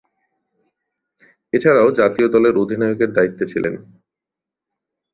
এছাড়াও জাতীয় দলের অধিনায়কের দায়িত্বে ছিলেন।